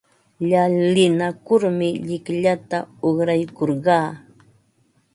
Llalinakurmi llikllata uqraykurqaa.